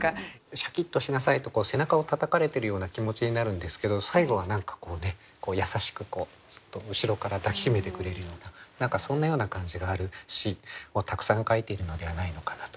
シャキッとしなさいと背中をたたかれているような気持ちになるんですけど最後は何かこうね優しくそっと後ろから抱き締めてくれるような何かそんなような感じがある詩をたくさん書いているのではないのかなと。